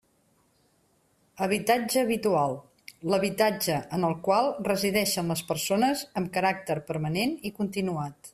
Habitatge habitual: l'habitatge en el qual resideixen les persones amb caràcter permanent i continuat.